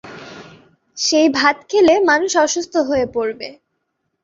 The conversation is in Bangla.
সেই ভাত খেলে মানুষ অসুস্থ হয়ে পড়বে।